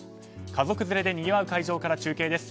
家族連れでにぎわう会場から中継です。